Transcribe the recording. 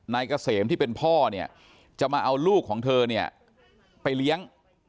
นายเกษมที่เป็นพ่อเนี่ยจะมาเอาลูกของเธอเนี่ยไปเลี้ยง